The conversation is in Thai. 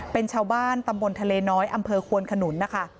เป็นชาวบ้านตำบลทะเลน้อยอำเภอควนขนุนนะคะ